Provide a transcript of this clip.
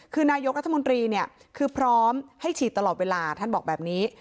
คือนายกรัฐมนตรีเนี่ยคือพร้อมให้ฉีดตลอดเวลาท่านบอกแบบนี้